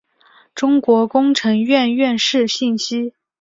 中国工程院院士信息